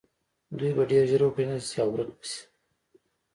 دوی به ډیر ژر وپیژندل شي او ورک به شي